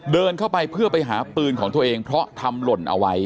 เดินเข้าไปเพื่อไปหาปืนของตัวเองเพราะทำหล่นเอาไว้